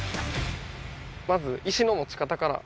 まず石の持ち方から。